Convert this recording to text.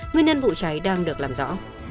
nguyên nhân vụ cháy đang được làm rõ